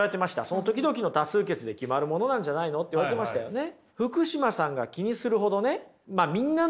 その時々の多数決で決まるものなんじゃないのって言われてましたよね。